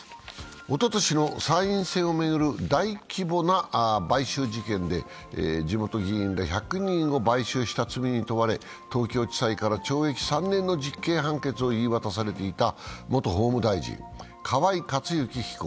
おととしの参院選を巡る大規模な買収事件で地元議員ら１００人を買収した罪に問われ、東京地裁から懲役３年の実刑判決を言い渡されていた元法務大臣の河井克行被告。